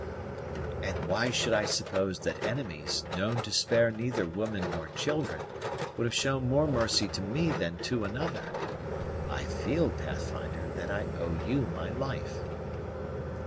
"And why should I suppose that enemies, known to spare neither women nor children, would have shown more mercy to me than to another? I feel, Pathfinder, that I owe you my life."